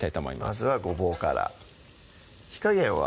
まずはごぼうから火加減は？